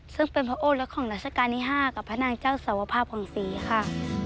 ซึ่งเป็นพระโอลักษณ์ของรัชกาลนี้ห้ากับพระนางเจ้าสวภาพภังษีค่ะ